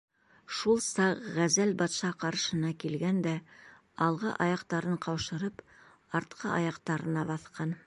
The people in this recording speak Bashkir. Шул саҡ ғәзәл батша ҡаршыһына килгән дә, алғы аяҡтарын ҡаушырып, артҡы аяҡтарына баҫҡан.